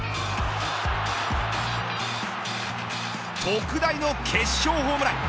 特大の決勝ホームラン。